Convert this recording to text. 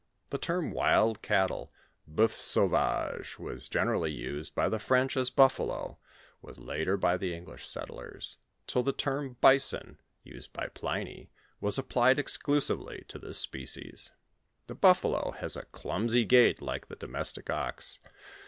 The term wild cattle, hmtfs lauvaget, was generally used by the French, as buffalo, was later by the English settlers, till the term bison, ijaed by Pliny, was applied exclusively to this species. The buffalo has a olnmsy gait like the domestic ox.